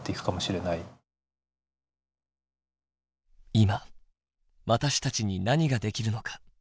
今私たちに何ができるのか。